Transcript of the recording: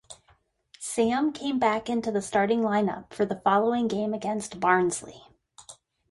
Sam came back into the starting lineup for the following game against Barnsley.